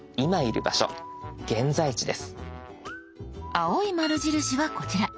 青い丸印はこちら。